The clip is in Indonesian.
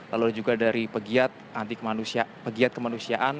lalu juga dari pegiat antiat kemanusiaan